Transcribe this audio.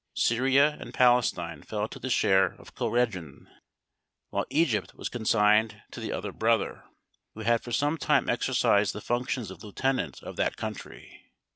Syria and Palestine fell to the share of Cohreddin, while Egypt was consigned to the other brother, who had for some time exercised the functions of lieutenant of that country.